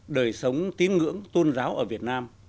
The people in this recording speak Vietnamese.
đời sống tín ngưỡng tôn giáo ở việt nam